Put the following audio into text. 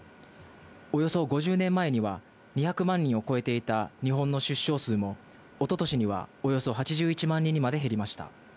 およそ５０年前には２００万人を超えていた日本の出生数も、おととしにはおよそ８１万人にまで減りました。